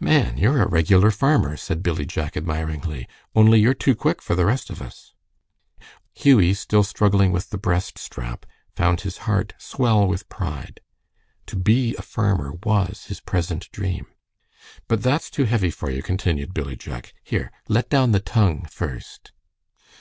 "Man! you're a regular farmer," said Billy Jack, admiringly, "only you're too quick for the rest of us." Hughie, still struggling with the breast strap, found his heart swell with pride. To be a farmer was his present dream. "But that's too heavy for you," continued Billy Jack. "Here, let down the tongue first."